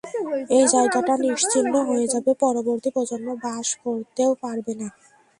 এই জায়গাটা নিশ্চিহ্ন হয়ে যাবে পরবর্তী প্রজন্ম বাস করতেও পারবে না।